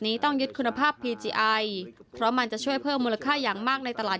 ต้องยึดคุณภาพพีจิไอเพราะมันจะช่วยเพิ่มมูลค่าอย่างมากในตลาด